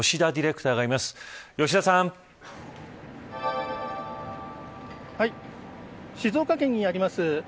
現地に静岡県にあります